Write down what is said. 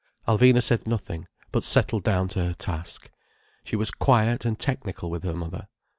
Alvina said nothing, but settled down to her task. She was quiet and technical with her mother.